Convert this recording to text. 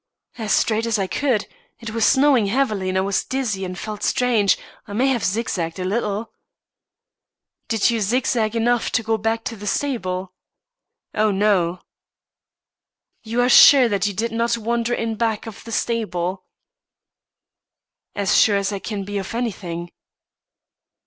"As straight as I could. It was snowing heavily, and I was dizzy and felt strange, I may have zigzagged a little." "Did you zigzag enough to go back of the stable?" "Oh, no." "You are sure that you did not wander in back of the stable?" "As sure as I can be of anything."